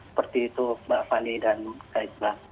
seperti itu mbak fani dan mbak iqbal